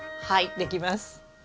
はいできます。